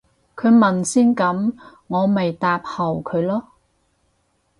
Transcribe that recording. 佢問先噉我咪答後佢咯